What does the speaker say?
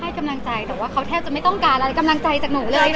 กำลังใจแต่ว่าเขาแทบจะไม่ต้องการอะไรกำลังใจจากหนูเลย